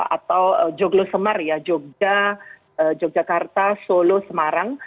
atau yogyakarta solo semarang